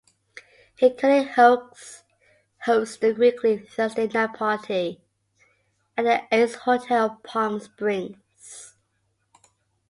He currently hosts a weekly Thursday night party at The Ace Hotel Palm Springs.